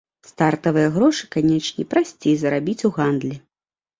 Стартавыя грошы, канечне, прасцей зарабіць у гандлі.